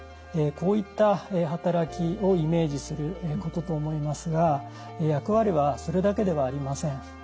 こういった働きをイメージすることと思いますが役割はそれだけではありません。